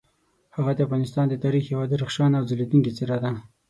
هغه د افغانستان د تاریخ یوه درخشانه او ځلیدونکي څیره ده.